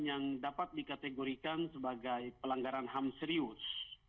yang dapat dikategorikan sebagai pelanggaran ham serius